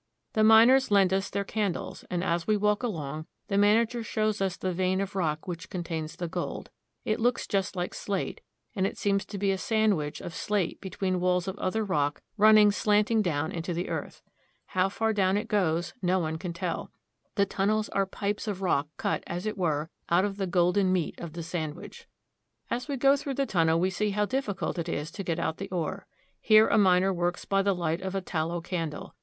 The miners lend us their can dles, and, as we walk along, the manager shows us the vein of rock which contains the gold. It looks just like slate, and it seems to be a sandwich of slate between walls of other rock run ning slanting down into the earth. How far down it goes no one can tell. The tun nels are pipes of rock cut, as it were, out of the golden meat of the sandwich. As we go through the tunnel, we see how difficult it is to get out the ore. Here a miner works by the light of a tallow candle.